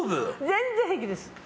全然、平気です。